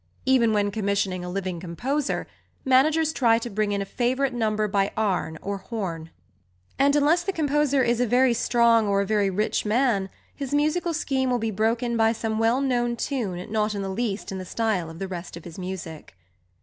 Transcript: Even when commissioning a living composer, managers try to bring in a favourite number by Arne or Horn, and, unless the composer is a very strong or a very rich man, his musical scheme will be broken by some well known tune not in the least in the style of the rest of his music.